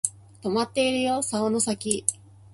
とまっているよ竿の先